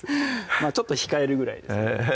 まぁちょっと控えるぐらいです